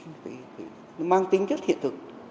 nó mang tính chất hiện thực